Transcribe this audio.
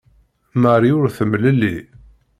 Marie ur temlelli.